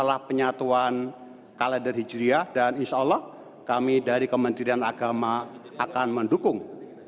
setelah penyatuan kalender hijriah dan insyaallah kami dari kementerian agama akan mendukung